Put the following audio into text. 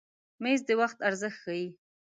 مېز د وخت ارزښت ښیي.